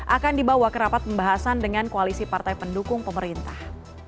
akan dibawa kerapat pembahasan dengan koalisi partai pendukung pemerintah